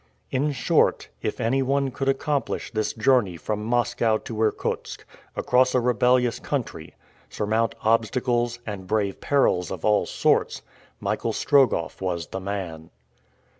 In short, if anyone could accomplish this journey from Moscow to Irkutsk, across a rebellious country, surmount obstacles, and brave perils of all sorts, Michael Strogoff was the man.